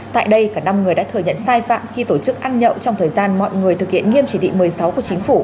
tại đây cả năm người đã thừa nhận sai phạm khi tổ chức ăn nhậu trong thời gian mọi người thực hiện nghiêm chỉ thị một mươi sáu của chính phủ